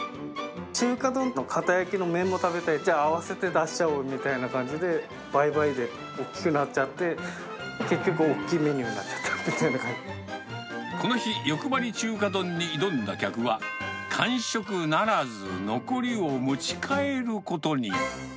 中華丼とかた焼きの麺を食べたい、じゃあ合わせて出しちゃおうみたいな感じで、倍々で大きくなっちゃって、結局は大きいメニューになっちゃこの日、よくばり中華丼に挑んだ客は、完食ならず、残りを持ち帰ることに。